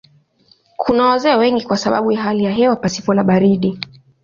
Kuna wazee wengi kwa sababu ya hali ya hewa pasipo na baridi.